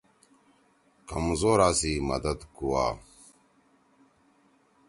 کمزورا سی مدد کوا۔